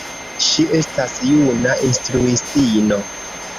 Ŝi estas juna instruistino.